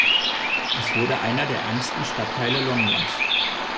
Es wurde einer der ärmsten Stadtteile Londons.